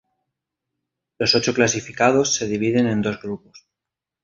Los ocho clasificados se dividen en dos grupos.